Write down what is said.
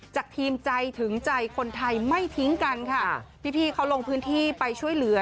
ทีมใจถึงใจคนไทยไม่ทิ้งกันค่ะพี่พี่เขาลงพื้นที่ไปช่วยเหลือ